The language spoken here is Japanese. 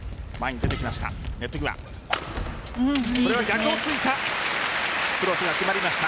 逆を突いた。